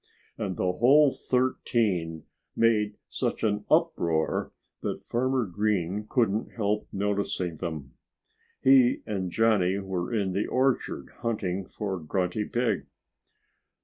And the whole thirteen made such an uproar that Farmer Green couldn't help noticing them. He and Johnnie were in the orchard, hunting for Grunty Pig.